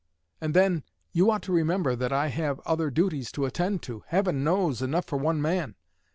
And then, you ought to remember that I have other duties to attend to heaven knows, enough for one man!